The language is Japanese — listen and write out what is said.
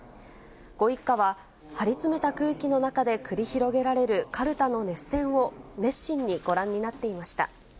ご一家は、張り詰めた空気の中で繰り広げられるかるたの熱戦を、熱心にご覧になっていました。